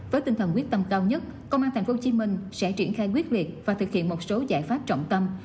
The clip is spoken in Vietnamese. với tinh thần quyết tâm cao nhất công an tp hcm sẽ triển khai quyết liệt và thực hiện một số giải pháp trọng tâm